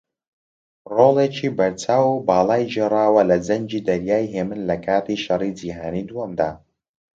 ڕۆڵێکی بەرچاو و باڵای گێڕاوە لە جەنگی دەریای ھێمن لەکاتی شەڕی جیهانی دووەمدا